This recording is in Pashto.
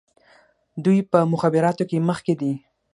دوی په مخابراتو کې مخکې دي.